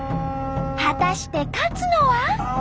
果たして勝つのは。